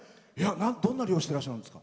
どんな漁をしてらっしゃるんですか？